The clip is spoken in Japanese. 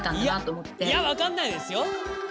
いや分かんないですよ。